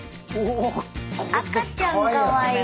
おお。赤ちゃんかわいい。